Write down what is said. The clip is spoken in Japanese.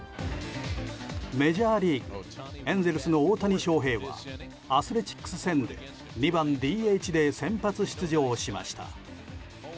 メジャーリーグエンゼルスの大谷翔平はアスレチックス戦、２番ＤＨで先発出場しました。